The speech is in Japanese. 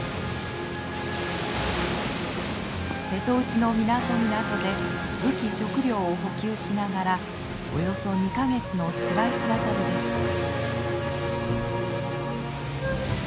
瀬戸内の港々で武器食料を補給しながらおよそ２か月のつらい船旅でした。